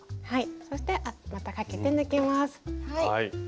そしてまたかけて抜きます。